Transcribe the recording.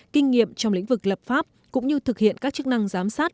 kinh nghiệm trong lĩnh vực lập pháp cũng như thực hiện các chức năng giám sát